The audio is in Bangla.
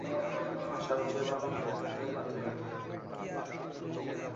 সব চেয়ে ভালো মিল হাতে হাতে মিল।